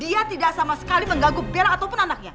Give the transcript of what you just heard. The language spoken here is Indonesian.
dia tidak sama sekali mengganggu pera ataupun anaknya